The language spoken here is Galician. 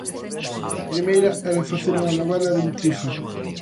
A primeira era facer unha novela de intriga.